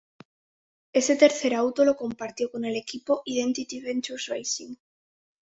Ese tercer auto lo compartió con el equipo Identity Ventures Racing.